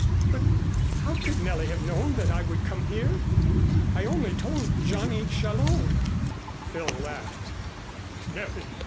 But how could Nellie have known that I would come here? I only told Johnny Challón." Phil laughed.